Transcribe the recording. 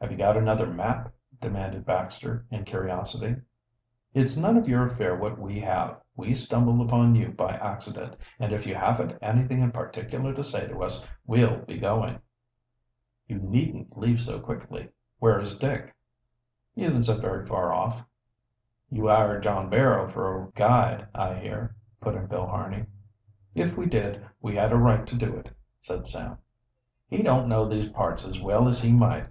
"Have you got another map?" demanded Baxter, in curiosity. "It's none of your affair what we have. We stumbled upon you by accident, and if you haven't anything in particular to say to us we'll be going." "You needn't leave so quickly. Where is Dick?" "He isn't so very far off." "You hired John Barrow for a guide, I heard," put in Bill Harney. "If we did, we had a right to do it," said Sam. "He don't know these parts as well as he might.